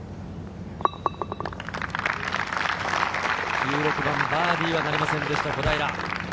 １６番、バーディーはなりませんでした、小平。